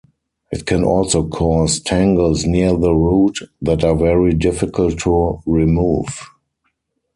It can also cause tangles near the root that are very difficult to remove.